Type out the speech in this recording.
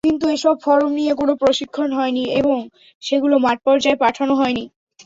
কিন্তু এসব ফরম নিয়ে কোনো প্রশিক্ষণ হয়নি এবং সেগুলো মাঠপর্যায়ে পাঠানো হয়নি।